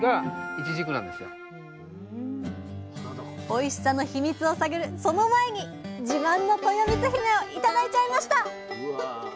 おいしさのヒミツを探るその前に自慢のとよみつひめを頂いちゃいました！